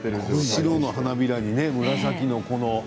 白の花びらに紫の。